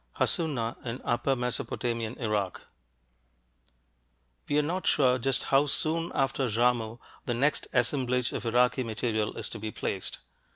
HASSUNA, IN UPPER MESOPOTAMIAN IRAQ We are not sure just how soon after Jarmo the next assemblage of Iraqi material is to be placed.